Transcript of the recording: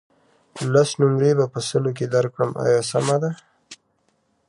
لس نمرې به په سلو کې درکړم آیا سمه ده.